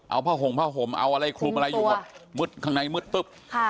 เอาผ้าห่มเอาอะไรคลุมอะไรอยู่ข้างในมึดปุ๊บ